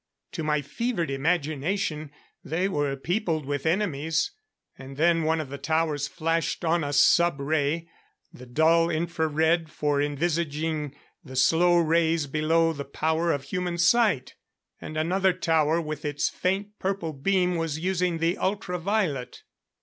To my fevered imagination they were peopled with enemies. And then one of the towers flashed on a sub ray the dull infra red for envisaging the slow rays below the power of human sight. And another tower with its faint purple beam was using the ultra violet.